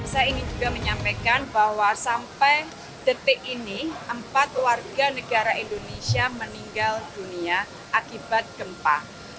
saya ingin juga menyampaikan bahwa sampai detik ini empat warga negara indonesia meninggal dunia akibat gempa